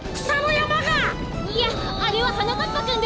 いやあれははなかっぱくんです！